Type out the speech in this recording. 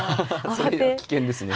それは危険ですね。